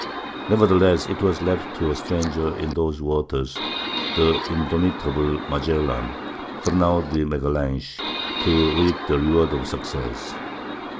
Nevertheless it was left to a stranger in those waters, the indomitable Magellan (Fernão de Magalhães), to reap the reward of success.